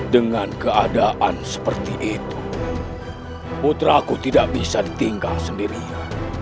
dengan keadaan seperti itu putra aku tidak bisa tinggal sendirinya